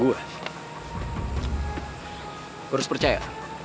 gua harus percaya